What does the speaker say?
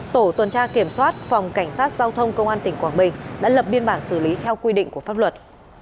tổ tuần tra kiểm soát phòng cảnh sát giao thông công an tỉnh quảng bình đã lập biên bản xử lý theo quy định của pháp luật